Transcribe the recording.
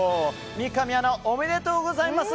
三上アナ、おめでとうございます。